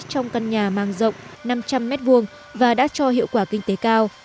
trong căn nhà mang rộng năm trăm linh m hai và đã cho hiệu quả kinh tế cao